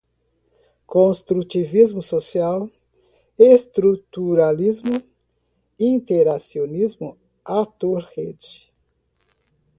construtivismo social, estruturalismo, interacionismo, ator-rede